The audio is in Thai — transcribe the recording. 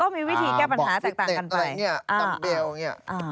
ก็มีวิธีแก้ปัญหาแตกต่างกันไป